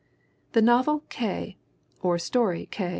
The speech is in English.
The novel K. or story K.